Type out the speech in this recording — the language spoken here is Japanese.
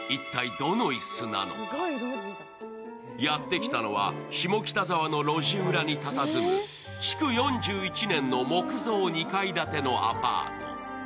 やってきたのは、下北沢の路地裏にたたずむ築４１年の木造２階建てのアパート。